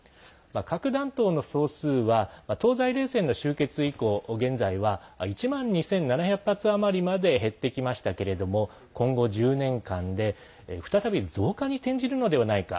核弾頭の総数は東西冷戦の終結以降、現在は１万２７００発余りまで減ってきましたけれども今後１０年間で再び増加に転じるのではないか。